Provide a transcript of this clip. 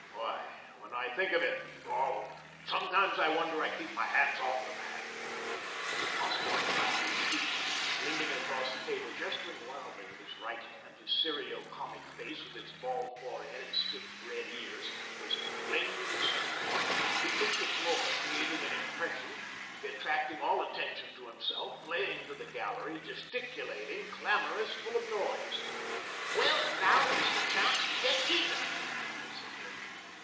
Why, when I think of it all sometimes I wonder I keep my hands off the man." Osterman got on his feet; leaning across the table, gesturing wildly with his right hand, his serio comic face, with its bald forehead and stiff, red ears, was inflamed with excitement. He took the floor, creating an impression, attracting all attention to himself, playing to the gallery, gesticulating, clamourous, full of noise. "Well, now is your chance to get even," he vociferated.